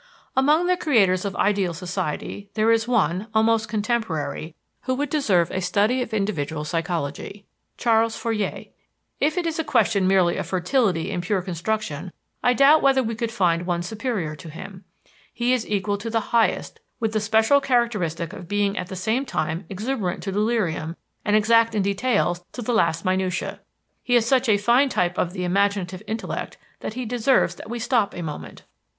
Among the creators of ideal societies there is one, almost contemporary, who would deserve a study of individual psychology Ch. Fourier. If it is a question merely of fertility in pure construction, I doubt whether we could find one superior to him he is equal to the highest, with the special characteristic of being at the same time exuberant to delirium and exact in details to the least minutiæ. He is such a fine type of the imaginative intellect that he deserves that we stop a moment.